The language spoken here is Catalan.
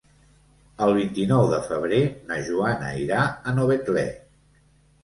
El vint-i-nou de febrer na Joana irà a Novetlè.